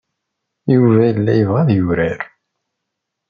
Yuba yella yebɣa ad yurar.